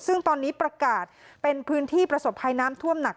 ซึ่งตอนนี้ประกาศเป็นพื้นที่ประสบภัยน้ำท่วมหนัก